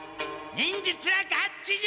忍術はガッツじゃ！